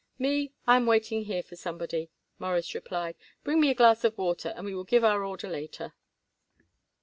"Me, I am waiting here for somebody," Morris replied. "Bring me a glass of water and we will give our order later."